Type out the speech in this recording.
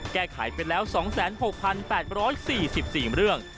แก้ไขไปแล้ว๒๖๘๔๔เรื่อง